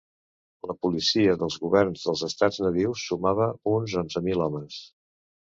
La policia dels governs dels estats nadius sumava uns onze mil homes.